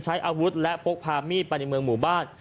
ใช้อาวุธและพกพามีดไปในเมืองหมู่บ้าน